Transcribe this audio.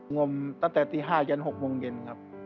งมตั้งแต่ตี๕ยัน๖โมงเย็นครับ